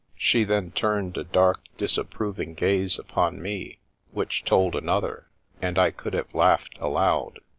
She then turned a dark, disapproving gaze upon me which told an other, and I could have laughed aloud.